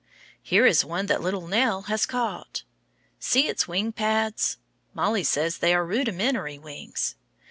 Here is one that little Nell has caught. See its wing pads. Mollie says they are rudimentary wings.